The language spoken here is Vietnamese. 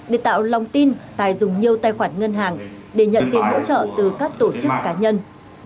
để tạo lòng tin tài dùng nhiều tài khoản ngân hàng để nhận tiền hỗ trợ từ các tổ chức cá nhân